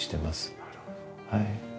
はい。